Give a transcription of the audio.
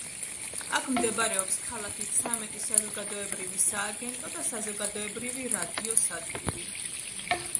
აქ მდებარეობს ქალაქის ცამეტი საზოგადოებრივი სააგენტო და საზოგადოებრივი რადიო სადგური.